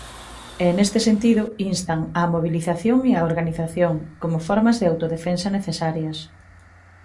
E neste sentido instan á "mobilización e a organización" como "formas de autodefensa necesarias".